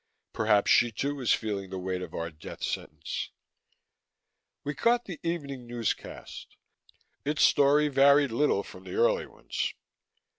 Perhaps she, too, was feeling the weight of our death sentence. We caught the evening newscast; its story varied little from the early ones.